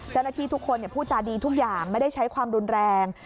เจ้าหน้าที่ทุกคนพูดจาดีทุกอย่างไม่ได้ใช้ความรุนแรง